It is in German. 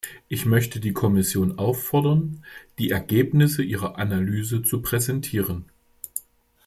Ich möchte die Kommission auffordern, die Ergebnisse ihrer Analyse zu präsentieren.